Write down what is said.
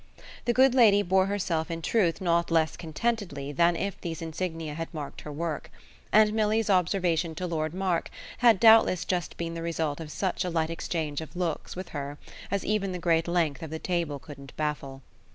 The good lady bore herself in truth not less contentedly than if these insignia had marked her work; and Milly's observation to Lord Mark had doubtless just been the result of such a light exchange of looks with her as even the great length of the table couldn't baffle.